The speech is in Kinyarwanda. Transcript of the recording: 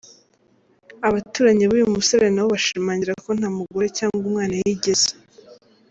Abaturanyi b’uyu musore nabo bashimangira ko nta mugore cyangwa umwana yigeze.